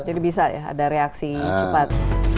jadi bisa ya ada reaksi cepat